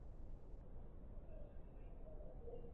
চা দেওয়া যাবে।